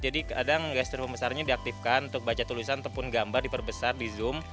jadi kadang gesture pembesarannya diaktifkan untuk baca tulisan ataupun gambar diperbesar di zoom